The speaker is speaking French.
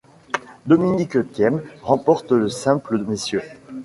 Dominic Thiem remporte le simple messieurs.